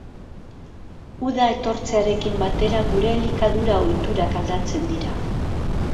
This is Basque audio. Uda etortzearekin batera, gure elikadura ohiturak aldatzen dira.